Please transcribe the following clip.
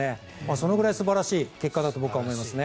そのぐらい素晴らしい結果だと僕は思いますね。